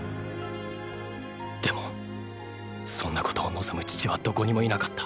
でもそんなことを望む父はどこにもいなかった。